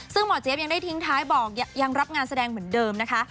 ซึ่งหมอเจี๊ยบยังได้ทิ้งท้ายบอกยังรับงานแสดงเหมือนเดิมนะคะ